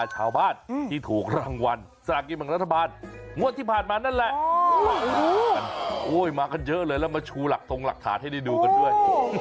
กินบังรัฐบาลงวดที่ผ่านมานั่นแหละโอ้ยมากันเยอะเลยแล้วมาชูหลักตรงหลักฐานให้ได้ดูกันด้วย